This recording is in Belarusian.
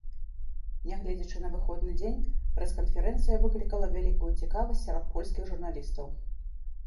Нягледзячы на выходны дзень, прэс-канферэнцыя выклікала вялікую цікавасць сярод польскіх журналістаў.